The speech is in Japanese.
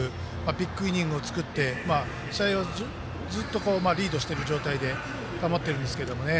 ビッグイニングを作って、試合をずっとリードしている状態で保っているんですけどね。